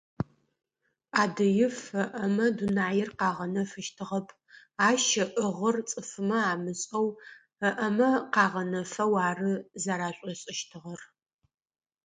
Ӏадыиф ыӏэмэ дунаир къэгъэнэфыщтыгъэп, ащ ыӏыгъыр цӏыфымэ амышӏэу, ыӏэмэ къагъэнэфэу ары зэрашӏошӏыщтыгъэр…